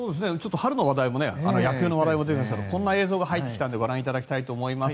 春の話題も野球の話題も出てきましたがこんな映像が入ってきたのでご覧いただきたいと思います。